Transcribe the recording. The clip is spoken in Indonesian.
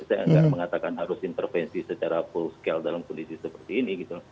saya nggak mengatakan harus intervensi secara full scale dalam kondisi seperti ini gitu